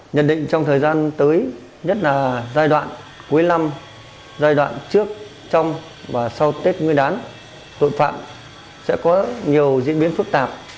nhận định trong thời gian tới nhất là giai đoạn cuối năm giai đoạn trước trong và sau tết nguyên đán tội phạm sẽ có nhiều diễn biến phức tạp